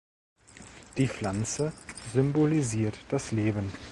Die Pflanze symbolisiert das Leben.